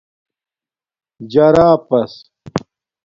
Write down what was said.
جراپس